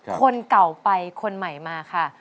คนเก่าไปคนใหม่มาค่ะ